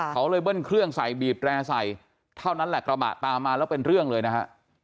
เขาเลยเบิ้ลเครื่องใส่บีบแร่ใส่เท่านั้นแหละกระบะตามมาแล้วเป็นเรื่องเลยนะฮะ